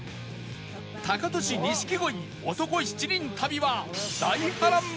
タカトシ錦鯉男７人旅は